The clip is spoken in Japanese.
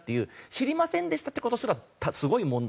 「知りませんでした」って事すらすごい問題。